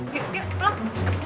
yuk yuk pulang